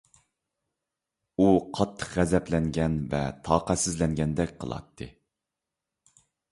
ئۇ قاتتىق غەزەپلەنگەن ۋە تاقەتسىزلەنگەندەك قىلاتتى.